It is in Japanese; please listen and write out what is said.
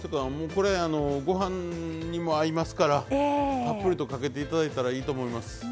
これご飯にも合いますからたっぷりとかけて頂いたらいいと思います。